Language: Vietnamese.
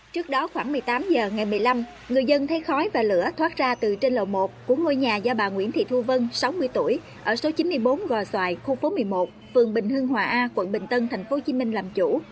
trước đó khoảng một mươi tám h ngày một mươi năm người dân thấy khói và lửa thoát ra từ trên lầu một của ngôi nhà do bà nguyễn thị thu vân sáu mươi tuổi ở số chín mươi bốn gò xoài khu phố một mươi một phường bình hưng hòa a quận bình tân tp hcm làm chủ